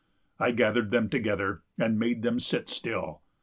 I gathered them together, and made them sit still.